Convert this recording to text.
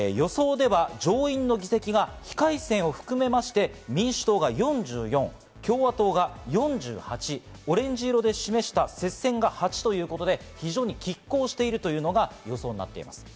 予想では上院の議席が非改選を含めまして、民主党が４４、共和党が４８、オレンジ色で示した接戦が８ということで、非常に拮抗しているというのが予想になっています。